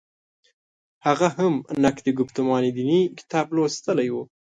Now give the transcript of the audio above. هغه هم «نقد ګفتمان دیني» کتاب لوستلی و.